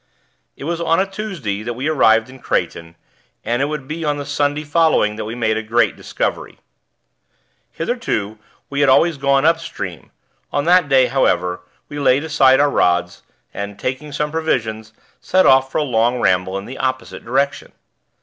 It was on a Tuesday that we arrived in Kraighten, and it would be on the Sunday following that we made a great discovery. Hitherto we had always gone up stream; on that day, however, we laid aside our rods, and, taking some provisions, set off for a long ramble in the opposite direction.